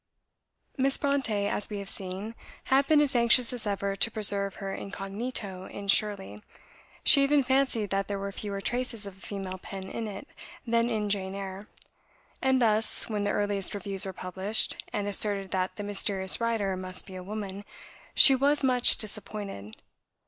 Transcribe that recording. Miss Brontë, as we have seen, had been as anxious as ever to preserve her incognito in "Shirley." She even fancied that there were fewer traces of a female pen in it than in "Jane Eyre"; and thus, when the earliest reviews were published, and asserted that the mysterious writer must be a woman, she was much disappointed.